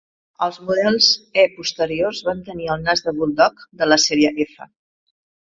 Els models E posteriors van tenir el "nas de bulldog" de la sèrie F.